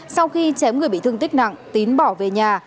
sau khi chém người bị thương tích nặng tín bỏ về nhà